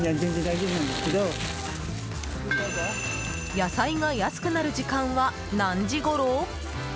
野菜が安くなる時間は何時ごろ？